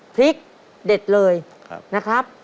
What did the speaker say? พริกเด็ดเลยนะครับ